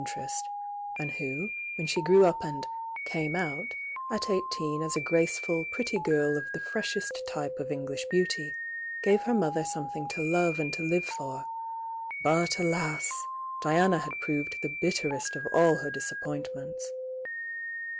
nterest and who, when she grew up and thf?r TK f* eighteen as a graceful, pretty girl of the freshest type of English beauty, give her mother soraethmg to love and to Uve for, but alasI Diana had proved the bitterest of aU her disappointments.